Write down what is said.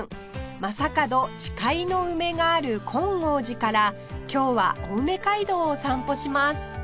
「将門誓いの梅」がある金剛寺から今日は青梅街道を散歩します